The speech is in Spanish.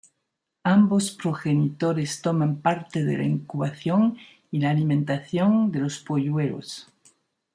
Ambos progenitores toman parte de la incubación y la alimentación de los polluelos.